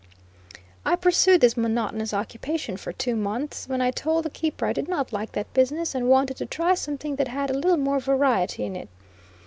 I pursued this monotonous occupation for two months, when I told the keeper I did not like that business, and wanted to try something that had a little more variety in it.